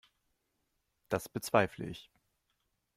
Das bezweifle ich.